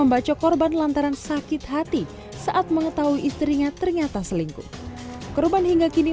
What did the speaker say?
membacok korban lantaran sakit hati saat mengetahui istrinya ternyata selingkuh korban hingga kini